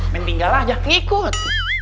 mendinggal aja ngikut